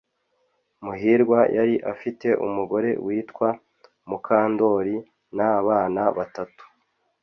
Muhirwa yari afite umugore witwa Mukandori n abana batanu